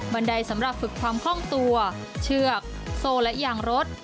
ไดสำหรับฝึกความคล่องตัวเชือกโซ่และยางรถ